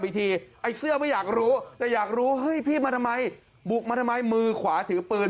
บุกมาทำไมมือขวาถือปืน